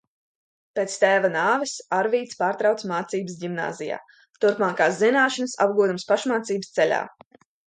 Pēc tēva nāves Arvīds pārtrauca mācības ģimnāzijā, turpmākās zināšanas apgūdams pašmācības ceļā.